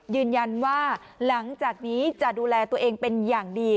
ยืนยันว่าหลังจากนี้จะดูแลตัวเองเป็นอย่างดี